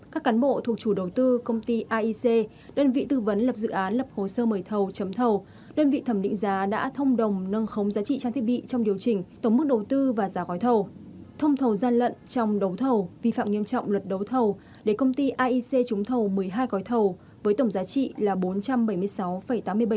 các cán bộ thuộc chủ đầu tư công ty aic đơn vị tư vấn lập dự án lập hồ sơ mời thầu chấm thầu đơn vị thẩm định giá đã thông đồng nâng khống giá trị trang thiết bị trong điều chỉnh tổng mức đầu tư và giá gói thầu